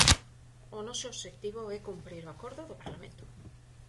O noso obxectivo é cumprir o acordo do Parlamento.